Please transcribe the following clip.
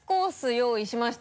用意しました。